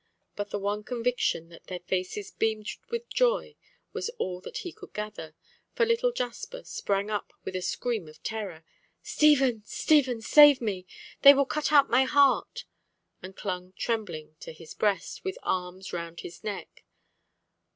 But the one conviction that their faces beamed with joy was all that he could gather, for little Jasper sprang up with a scream of terror, "Stephen, Stephen, save me! They will cut out my heart," and clung trembling to his breast, with arms round his neck.